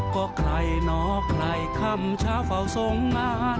ก็ใครเนาะใครคำเช้าเฝ้าทรงงาน